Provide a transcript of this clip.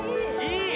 いい！